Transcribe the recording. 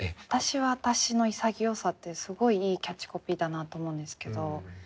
「あたしはあたし」の潔さってすごいいいキャッチコピーだなと思うんですけど。